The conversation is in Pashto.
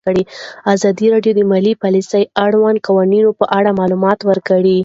ازادي راډیو د مالي پالیسي د اړونده قوانینو په اړه معلومات ورکړي.